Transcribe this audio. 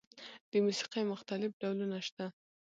د موسیقۍ مختلف ډولونه شته.